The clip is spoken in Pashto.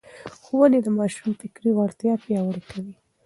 ښوونې د ماشوم فکري وړتیا پياوړې کوي.